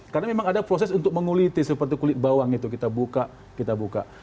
karena memang ada proses untuk menguliti seperti kulit bawang itu kita buka kita buka